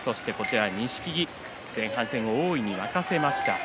錦木前半戦、大いに沸かせました。